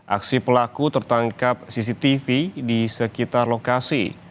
aksi pelaku tertangkap cctv di sekitar lokasi